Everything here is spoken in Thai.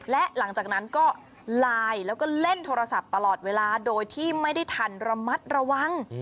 และหลังจากนั้นก็ไลน์แล้วก็เล่นโทรศัพท์ตลอดเวลาโดยที่ไม่ได้ทันระมัดระวัง